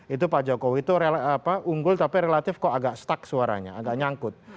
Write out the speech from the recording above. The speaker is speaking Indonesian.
itu pak jokowi itu unggul tapi relatif kok agak stuck suaranya agak nyangkut